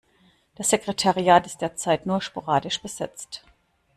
Das Sekretariat ist derzeit nur sporadisch besetzt.